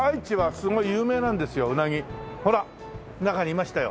ほら中にいましたよ。